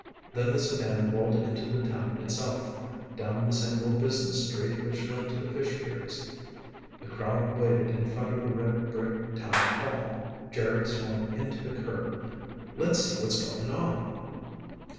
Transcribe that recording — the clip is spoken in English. Then the sedan rolled into the town itself, down the single business street which led to the fish piers. A crowd waited in front of the red brick town hall. Jerry swung into the curb. "Let's see what's going on."